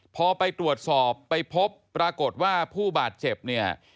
พอไปตรวจสอบไปพบปรากฏว่าผู้บาดเจ็บเนี่ย